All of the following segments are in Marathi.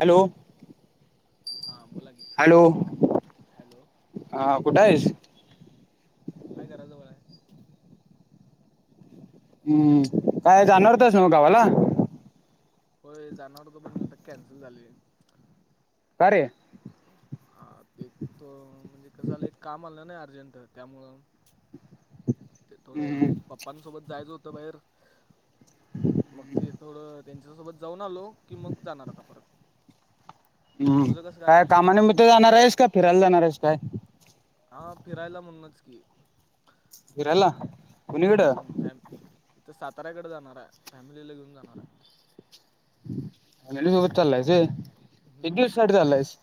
हॅलो हां बोला की हॅलो हॅलो हा कुठ आहेस काय कराज बला आहे हम्म काय जाणारणारतस म कावाला हो जाणार तर बण आता कॅन्सल झाले का रे हा ते तो म्हणजे कसं आलं एक काम आलं ना अर्जंट त्यामुळं ते थोडं हम्म पप्पांसोबत जायचं होतं बाहेर मग ते थोडं त्यांच्या सोबत जाऊन आलो कि मग जाणार आता परत हम्म काय कामान निमित्त जाणार आहेस का फिरायला जाणार आहेस काय हा फिरायला म्हणूनच की फिरायला कुणीकडं हम्म फॅम इथ साताऱ्याकडे जाणार आहे फॅमिलीला घेऊन जाणार आहे अलेली सोबत चाललायस वय किती हम्म, दिवसासाठी चाललायस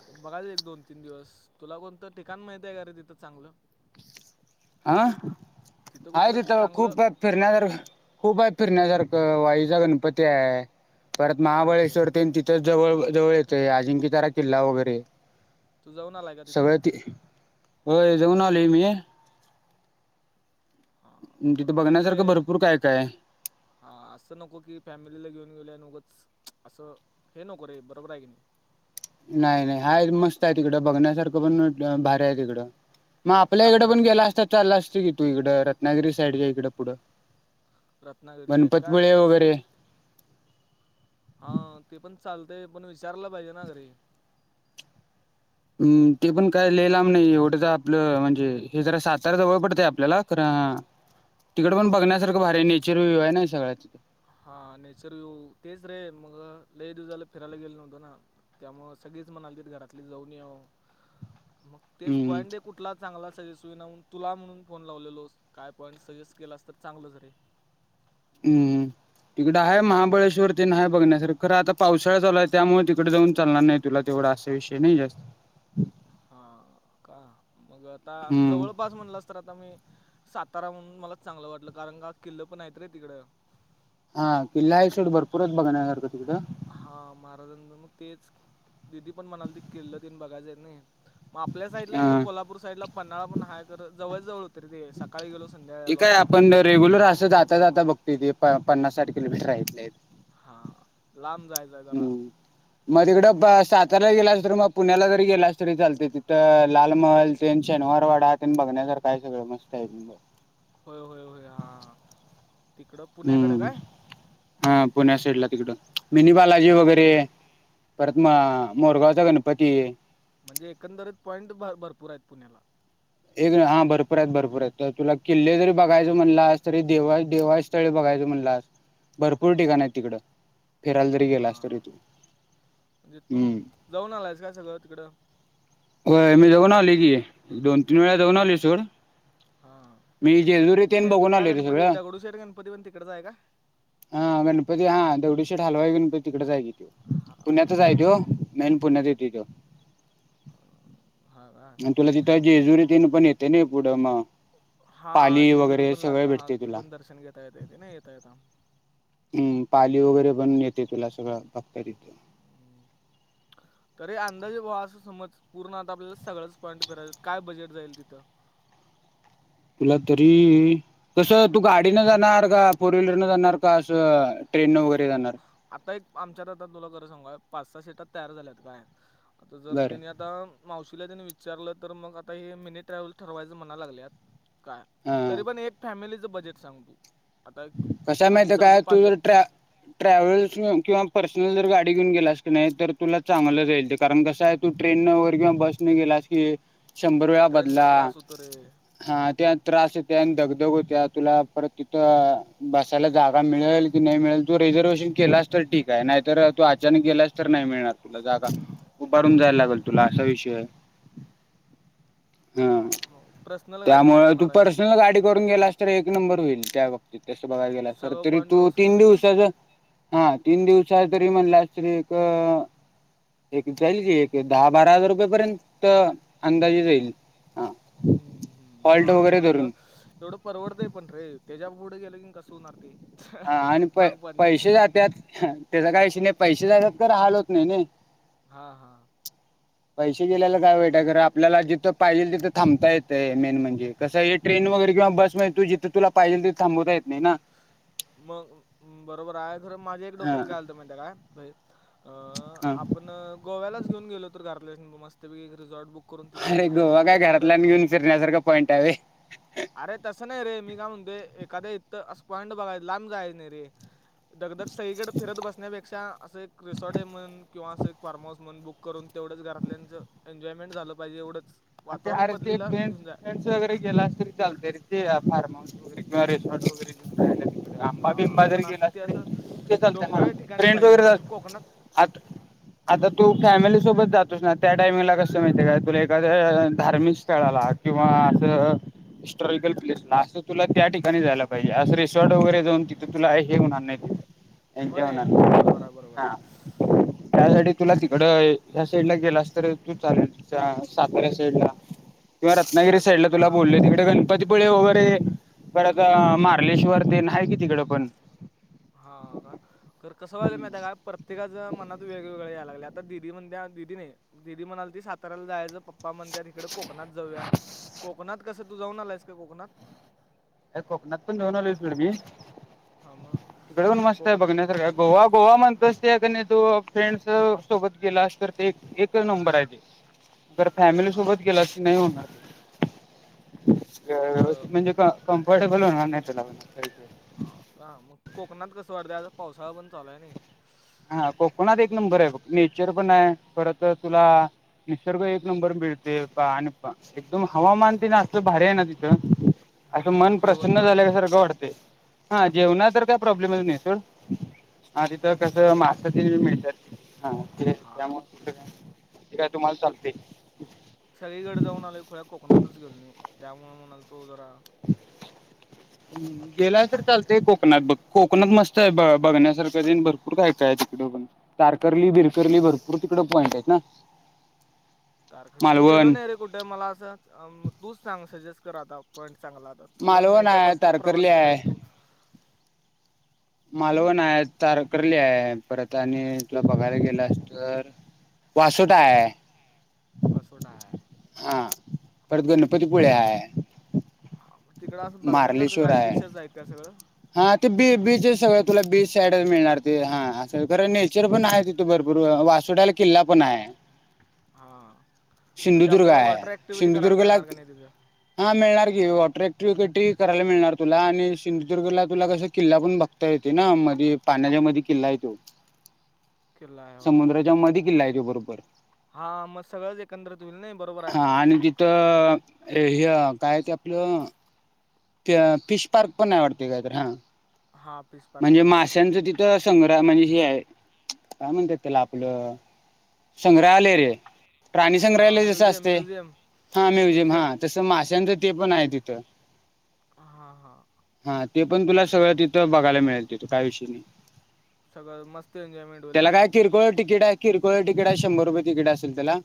आता बघायचं एक दोन तीन दिवस तुला कोणतं ठिकाण माहती आहे का रे तिथं चांगलं हह आहेत कुठलंच तिथं खूप चांगलं फिरण्यासारखे खूप आहेत फिरण्यासारखं वाईचा गणपती आहे परत व्हायचं महाबळेश्वर ते आणि गणपती तिथंच जवळ जवळ येते अजिंक्यतारा किल्ला वगैरे तू जाऊन आलाय का तिथे सगळं ती होय जाऊन आली मी हा तिथे मग तेच रे बघण्यासारखं भरपूर काय काय हा असं नको की फॅमिलीला घेऊन गेऊल्या नक च असं हे नको बरोबर आहे की नाही नाही नाही हाय मस्त आहे तिकडं बघण्यासारखं पण भारी आहे तिकडं मग आपल्या इकडं पण साताऱ्याला गेला असता चालला असतं की तू इकड रत्नागिरी साईडच्या इकड पुढं रत्नागिरी साईड काय गणपतीपुळे वगैरे हा ते पण चालतय पण विचारलं पाहिजे ना घरी हम् ते पण काय लईलाम नाही एवढं तर आपलं म्हणजे हे जरा साताारा जवळ पडतय आपल्याला खण हा तिकडे पण बघण्यासारखं भारी नेचर व्ह्यू आहे ना सगळ्या तथ हा न सर तेच रे मग लई दिू झाला फिरायला गेल नव्हतं ना त्यामु सगळे च म्हणाली घरातली जाऊन ये मग तेच हम्म पॉईंट हे कुठला चांगलाच तुला म्हणून फोन लावलेलो काय पॉईंट सजेस्ट केला अस तर चांगलं रे हम्म तिकडं आहे महाबळेश्वर त नाही बघण्यासर खरं आता पावसाळा चालू आहे त्यामुळे तिकडे जाऊन चालणार नाही तुला तेवढा विषय नाही जास्त हा का मग आता हम्म जवळपास म्हणलास तर आता मी सातारा म्हणून मला चांगलं वाटलं कारण का किल्ल पण आहेतत रे तिकड हा किल् ह सोड भरपूरच बघनगरतिथो हा महाराजां मग तेच दिदी पण म्हणाल त किल्लं त बघायचं आहे नाही मग आपल्या साईडला इकडे हा कोल्हापूर साईडला पन््हाळा पण हाय जवळ जवळ होत र ते सकाळी गेलो संध्याकाळी ते आलो काय असं होतं आपण नाही रेग्युलर असं जाता जाता बघत ते पन्नास साठ किलोमीटर राहले हा लांब जायचं आहे जरा हम्म मध्येकडं सात आला गेला अस त मग पुण्याला जरी गेलास तरी चालते तिथं लालमहल ते शेनिवारवाडा ते बघण्या काय सगळं मस्त आहे तु. होय होय. हा तिकडं पुण्याकडं हम्म कायं. हा पुण्यासाईडला तिकडं मिनी बालाजी वगैरे. परत मगं मोरगावचा गणपती. म्हणजे एकंदरीत पॉइंट भरपूर आहेत पुण्याला. एक हा भरपूर आहेत भरपूर आहेत, तर तुला किल्ले जरी बघायच म्हणलासं तरी देवा देवाची स्थळे बघायं [unintelligible] म्हणलासं भरपूर ठिकाणं आहेत तिकडं. फिरायला जरी हा गेलास तरी तू म्हणजे तू हम्म. जाऊन आलायसं काय सगळं तिकडं. हो मी जाऊन आलोय की दोन तीन वेळा जाऊन आलोय सोड. हा मी जेजुरी ते तेन बघून कुठला आलोय रे गणपती सगळं. दगडूशेठ गणपती पण तिकडचं आहे का? हा गणपती हा तेवढ - दगडूशेठ हलवाई गणपती तिकडेच आहे की तो हा हा पुण्यातच तो मेन पुण्यात येतोयं हा का आणि तुला तिथं जेजुरी तेन पण येते नाही पुढं मगं. हा जेजुरी पण लागला हा भेटतंय ते तुला. पण दर्शन घेता येतयं. नाही येता येता. हम्म पाली वगैरे बनून येते तुला सगळं भक्त तिथे. अरे अंदाजे व असं समजं पूर्ण आता आपल्याला सगळंच पॉईंट फिरायचं काय बजेट जाईल तिथं. आपला तरी कसं तू गाडीनं जाणार का फोर व्हीलर न जाणार का असं ट्रेनन वगैरे. जाणार? आता एक आमच्यात आता तुला खरं सांगू पाच सहा सीटात तयार झाल्यात कायं. आता जर बरं त्यांनी आता. मावशीला त्याने विचारलं तर मग आता हे मिनी ट्रॅव्हल ठरवायचे म्हणा लागलेत. काय हा. तरी पण एक फॅमिलीचं बजेट सांग तू. आता एक- कशा आम्ही माहिती चौघं काय पाच तू जर जण ट्रॅ - ट्रॅव्हल्स किंवा पर्सनल जर गाडी घेऊन गेलास की नाही, तर तुला चांगलं जाईल. ते कारण कसं आहे तू ट्रेन- किंवा बसने गेला क शंभर वेळा ट्रेननं बदला त्रास होतो रे हा त्या त्रास येत्या आणि दग दग होत्या तुला परत तिथं. बसायला जागा मिळेल की नाही मिळेल तू रिझर्वेशन केलास तर ठीक आहे नाहीतर तू अचानक गेलास तर. नाही मिळणार तुला जागा उभारून जायला होय लागेल तुला असा विषय आहे. हा मग पर्सनल गाडी घेऊन त्यामुळे तू जाणार आहे मी पर्सनल गाडी करून गेलास तर एक नंबर होईल त्या- तसं बघायला गेलास सगळं तरी पॉईंट तू व्यवस्थित तीन होतील ना दिवसाचं. हा तीन दिवसाच तरी म्हणला तरी एक एक जाईल की एक दहा बारा हजार रुपया पर्यंत अंदाजे जाईल. हा हम्म फॉल्ट हम्म वगैरे एवढं बघं धरून एवढं परवडतं पण रे. त्याच्या पुढे गेलो की कसं होणार ते. हा आणि प महाग पडणार ट्रिप पैसे जातेत त्याचा काही विषय नाही. पैसे जात्यात खरं हाल होत नाही नाही. हा हा. पैसे गेल्याला काय वाईटय खर आपल्याला जिथं पाहिजेल तिथं थांबता येतय मेन म्हणजे कसं हे ट्रेन. वगैरे किंवा बस म तू जिथं तुला पाहिजे तिथ थांबवता येत नाही ना. मगं बरोबर आहे खरं माझ्या एक डोक्यात हां काय आलत माहिती कायं. अ हां आपण गोव्यालाच घेऊन गेलो तर घरतल्यासनी मस्तं पैकी एक रिझॉर्ट बुक. करून तिथल्या अरे तिथं गोवा काय इकडं तिकडं घरातल्यांना घेऊन फिरण्यासारखा पॉईंट आहे - अरे तसं नाही रे मी कायं म्हणतोय एखाद्या इथं असं पॉईंट बघाय लांब जायचं नाही रे. दगदग सगळीकडे फिरत बसण्यापेक्षा असं एक रिसॉर्ट आहे म्हण- किंवा असं एक फार्म हाऊस म्हण बुक करून तेवढच घरातल्यांच एन्जॉयमेंट झालं पाहिजे एवढचं आणि ते अरे ते फ्रेंड्स फ्रेंड्स वगैरे गेलास तरी चालतयं ते. फार्म हाऊस वगैरे किंवा रेस्टॉरंट वगैरे. घेऊन राहिलेलं. आमबा हां बिंबा जर पण असं गेला ते तरी असं ते चालत हा डोंगराळ ठिकाणी फ्रेंड पाहिजे वगैरे मला असं कोकणात आता आता तू फॅमिली सोबत जातोस ना त्या टाइमिंगला कसं माहितीय काय तुला एका धार्मिक स्थळाला किंवा असं हिस्टॉरिकल प्लेस ला असं तुला त्या ठिकाणी जायला पाहिजे असं रिसॉर्ट वगैरे जाऊन तिथ तुला हे होणार नाही हो एन्जॉय नाही मग होणार बरोबर आहे बरोबर आहे नाही तुला तिकड ह साईड ला गेलास तर तू चालेल सातार्या साईड ला किंवा रत्नागिरी सातारा साईड ला तुला साईडला बोलले तिकडे गणपतीपुळे वर परत मारलेश्वर ते आहे कि तिकड पण हा का तर कसं वालं माता का प्रत्येका मनात वेगवेग या लाग आतादी म्हण दीदी म्हणाली ती सातारया ला जायचं पापा म्हणतेत इकडे कोकणात जाऊया कोकणात कसं तू जाऊन आलायस का कोकणात [unintelligible] हा मग तकडेन मस्त आहे कोकणात बघण्यासारख गोवा गोवा म्हणत त्या तो फ्रेंड् सोबत गेला अस तर ते एक नंबर आहे ते तर हा फॅमिलीसोबत गेला की नाही होणार मग अं, व्यवस्थित म्हणजे कम्फर्टेबल होणार नाय तुला पण हा का मग कोकणात कस अर्ध्या आ पावसाळा पण चालू आहे ना हा कोकणात एक नंबर आहे नेचर पण आहे खर तर तुला निसर्ग एक नंबर पिळते प आणि प एकदम हवामान ते ना असत भारी आहे ना तिथं असं हम्म मन जेवण प्रसन्न खाणं झाल्या का म्हण सारखं वाटते हा जेवणा तर काही प्रॉब्लेमच नाही सोड हा तिथं कस मासा ती मिळतात हा ते हा त्यामु ते काय तुम्हाला चालते सगळीकडे जाऊन आलो खोळ्या कोकणातच गेल नाही त्यामुळे म्हणाल तो जरा [unintelligible] गेलाय तरर चालतय कोकणात बघ कोकणात मस्त आहे ब बघण्यासारखं दे भरपूर काय काय आहे तिकड तारकर्ली बिरकर्ली भरपूर तिकड पॉइंट आहेत ना तारख मी गेलो मालवण नाही रे कुठे मला असं तूच सांग सजेस्ट कर आता चांगला आता तुला मालवण माहित आहे भरपूर तारकर्ली प्रवास केलाय आहे तो मालवण आहे तारकर्ली आहे. परत आणि तथलं बघायला गेलं अस तर वासोटाय वसोटा आहे ह परत गणपतीपुळे आहे. हा, मग तिकडं असं बघण्यासारखं मारलेश्वर काय आहे बीचच आहेत का सगळं हा ते बी बीच आहे सगळं तुला बीच साईडच मिळणार ते हा असं खरं नेचर पण आहे तिथे भरपूर वासुडाला किल्ला पण आहे हा म्हणजे सिंधुदुर्ग आपल्याला आहे वॉटर ऍक्टिव्हिटी करायला सिंधुदुर्ग ला मिळणार का नाही तिथं हा मिळणार [unintelligible] टी करायला मिळणार तुला आणि सिंधुदुर्गला तुला कस किल्ला पण बघता येते ना मध्ये पाण्या किल्ला येतो किल्ला आहे होय समुद्राच्या म किल्ला आहे तो बरोबर हा मग सगळंच एकंदरीत होईल नाही बरोबर आहे हा आणि तिथं हे मग काय ते आपलं फिश पार्क पण आवडते काहीत हा हा फिश पार्क म्हणजे पण आहे वाटतं माशांचं तिथं संग्र म्हणजे काय म्हणतात त्याला आपलं संग्रहालय रे प्रणी हा संग्रहालय जस म्युझियम असते म्युझियम हा म्युझियम हा तसं माशांच ते पण आहे तिथ हां हां हा ते पण तुला सगळं तिथ बघायला मिळेल तथो काय विषयी नाही. सगळं मस्त एन्जॉयमेंट होईल ना त्याला काय किरकोळ तिकीट आहे किरकोळ तिकीड आहे शंभर रुपये तिकीट असेल त्याला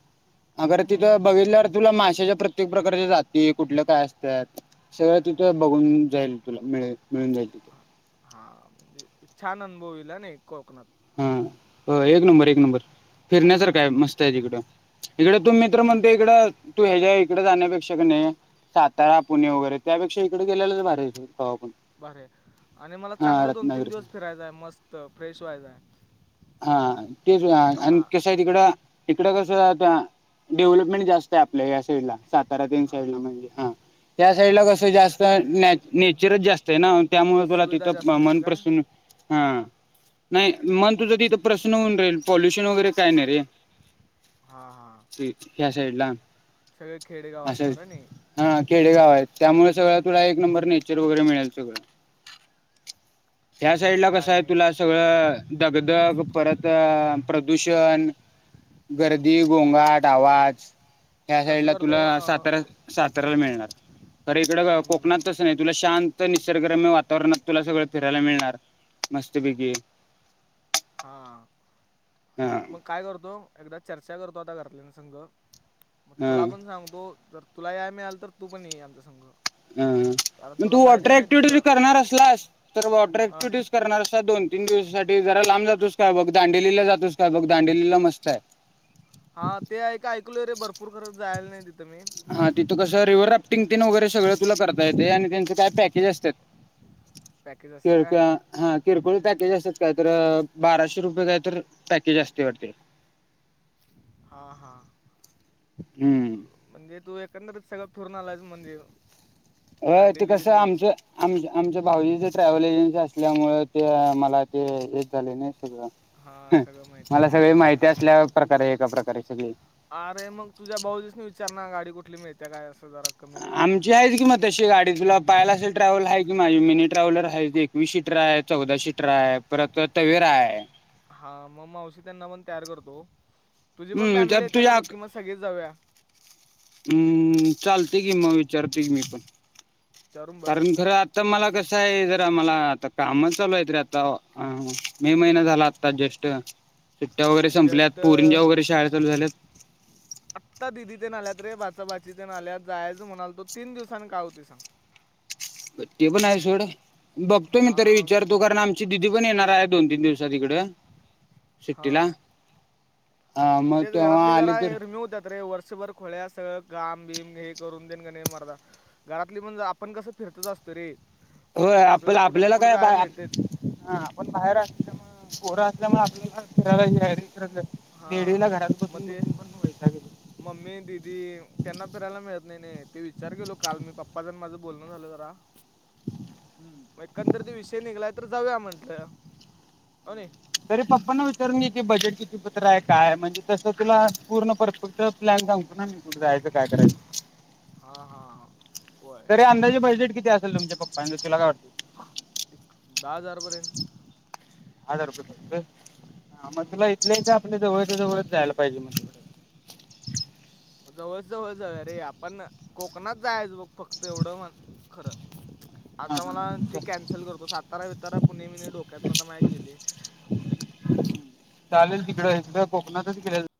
अगर हम्म तिथं बघितल्यावर तुला माशाच्या प्रत्य प्रत्येक प्रकारच्या जाती कुठल्या काय असतात सगळं तिथं बघून जाईल तुला मिळे मिळून जाईल [inaudible] हा म्हणजे छान अनुभवला ना कोकणात. हा एक नंबर एक नंबर फिरण्यासारखा मस्त आहे तिकडं. इकडे तू मित्र म्हणते इकडं तू ह्याच्या्या इकडे जाण्यापेक्षा कणी सातारा, पुणे वगैरे त्यापेक्षा इकडे गेलेलेच भारी. आपण बर आणि मला हां चांगलं दोन, तीन रत्नागिरी दिवस फिरायचाय मस्त, फ्रेश व्हायचाय. हा तेच आणि कशा आहे तिकडं तिकड कसं डेव्हलपमेंट जास्त आहे आपल्या डला सातारा तेन हां साईड ला म्हणजे हा. त्या साईड ला कसं जास्त न नेचरच जास्त आहे ना. त्यामुळे तुला तिथ सुविधा जास्त नाहीत मन का प्रसन्न ह नाही. मन तुझ तिथं प्रश्न होऊन राहील पॉल्युशन वगैरे काय नाही रे. हा हा. त्या साईटला. सगळं खेडेगाव असणार अणि. हा खेडेगाव आहेत. त्यामुळे सगळं तुला एक नंबर नेचर वगैरे मिळेल सगळं. त्या साइड मग ला कसं काय आहे नाही तुला सगळं ढग परत प्रदूषण गर्दी, गोंगाट, आवाज. ह्या साईड कसं ला करतो तुला अं, सातारा साताऱ्याला मिळणार. खरं इकडं हम्म, कोकणात तसं नाही, तुला शांत निसर्गरम्य वातावरणात तुला सगळं फिरायला मिळणार. मस्त पैकी. हा. मग काय करतो एकदा चर्चा करतो आता घरातल्या संग मग हा तुला पण सांगतो, जर तुला या मिळाल तर तू पण ये आमच्या संग. हम्म. कारण मग तुला तू माहिती वॉटर आहे नाही ऍक्टिव्हटीज तिथलं करणार असलास, तर वॉटर अं, ऍक्टिव्हिटीज करणार अस दोन, तीन दिवसासाठी जरा लांब जातोस का बघ दांडेलीला जातोस काय बघ? दांडडेलीला मस्त आहे. हा ते आहे का ऐकलय रे भरपूर खरच जायला नाही तिथ. हा. तिथं कसं रिव्हर राफ्टिंग तेन वगैरे सगळं तुला करता येते आणि त्यांचे काय पॅकेज असतात. पॅकेज असेल काय [unintelligible] किरकोळ पॅकेज असतात काय तर बाराशे रुपये काय तर पॅकेज असते वाटत. हा हा. हम्म म्हणजे तू एक एकंदरीत सगळे फिरून आलईस म्हण अ ते कसं आमच आम आमच भाऊजीचे ट्रॅव्हल एजन्सी असल्यामुळे ते मला ते येत झालय ने. हा सगळं माहिती मला आहे. सगळी माहिती असल्या प्रकारे एका प्रका अरे मग तुझ्या भाऊजीसनी विचारणा गाडी कुठली मिळते काय अस. आमची आहे कि म तशी गाडी तुला पाहायला असेल ट्रॅव्हल आहे. माझी मिनी ट्रॅव्हलर आहे, एकवीस सीटर आहे, चौदा सीटर आहे परत तवेरा आहे. हा मग मावशी त्यांना पण तयार करतो, तुझी पण हम्म विचार फॅमिली येते का तुझ्या बघ की मग सगळीच जाऊया. हम्म. चालते की मग विचारतो घे मी पण. विचारून बघ कारण खरं आता मला कसं आहे ज मला आता काम चालू आहेेत रे आता मे महिना झाला आता जस्ट. सुट्ट्या वगैरे संपल्या जस्ट पोरंजा वगैरे शाळा चालू झाल्यात. भाचा भाची तेन आल्यात जायच म्हणाल तो तीन दिवसांनी का होतय सांग? ते पण आहे सोड बघतो मी तरी हा विचारतो कारण आमची दिदी पण येणार आहे दोन, तीन दिवसात इकड सुट्टीला. हा हा मग तेच तेव्हा घरातली आले जरा तर रिम्यू होत्या रे व भर खुळ्या सगळं काम बीम हे करून तेन की हे मर्दा घरातली आपण कसं फिरतच असतो रे. हो. आप कुठं ना आपल्याला कुठं काय बा जायला मिळतेच आपण बाहेर असल्यामुळ पोर त्यामुळे आपल्याला हां वेडीला घरात मग बसून ते बसून पण वैताग येतो मम्मी दिदी त्यांना फिरायला मिळत नाही नाही ते विचार केेलो काल मी पप्पाचं अन माझं बोलणं झालं जरा एकंदरीत विषय निघलाय तर जाऊया म्हंटल. होण्य. तरी पप्पांनां विचारून घे की बजेट किती पतर आहे काय म्हणजे तसं तुला पूर्ण परफेक्ट प्लॅन सांगतो ना मी कुठं जायचं काय करायचं. हा हा. तरी अंदाजे बजेट किती असेल तुमच्या पप्पांचं तुला काय वाटतय? एक दहा हजार पर्यंत. दहा हजार रुपये पर्यंत होय मग हम्म. तुला इथल्या इथं जवळच्या जवळच जायला पाहिजे मग जवळचं जवळ जाऊया रे आपण कोकणात जायचं बघ फक्त एवढं म्हण खरं हां आता मला ती हां कॅन्सल करतो सातारा बितारा पुणे बिने मी डोक्यातनं आता माया गेलय. चालेल तिकडं इकडं कोकणातच फिरायला.